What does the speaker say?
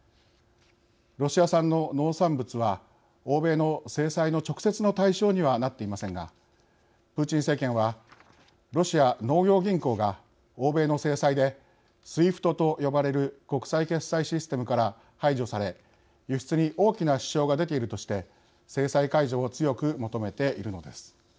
ロシア産の農産物は欧米の制裁の直接の対象にはなっていませんがプーチン政権はロシア農業銀行が、欧米の制裁でＳＷＩＦＴと呼ばれる国際決済システムから排除され輸出に大きな支障が出ているとして制裁解除を強く求めているのです。